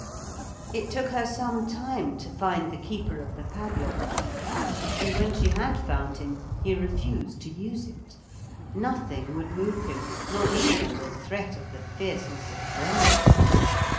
....... It took her some time to find the keeper of the padlock key, and when she had found him he refused to use it. Nothing would move him, not even the threat of the fierceness of Brenda.